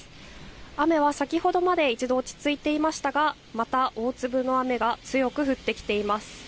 雨は先ほどまで一度落ち着いていましたが、また大粒の雨が強く降ってきています。